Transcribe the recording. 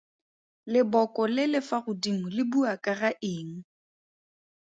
Leboko le le fa godimo le bua ka ga eng?